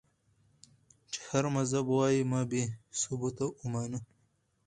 چې هر مذهب وائي ما بې ثبوته اومنه